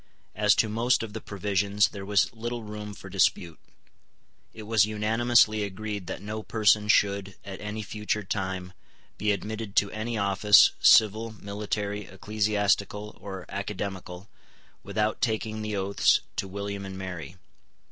As to most of the provisions there was little room for dispute. It was unanimously agreed that no person should, at any future time, be admitted to any office, civil, military, ecclesiastical, or academical, without taking the oaths to William and Mary.